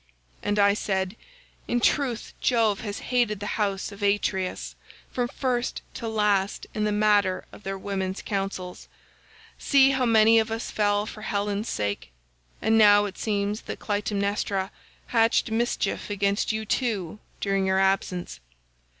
"And I said, 'In truth Jove has hated the house of Atreus from first to last in the matter of their women's counsels. See how many of us fell for Helen's sake, and now it seems that Clytemnestra hatched mischief against you too during your absence.